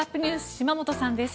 島本さんです。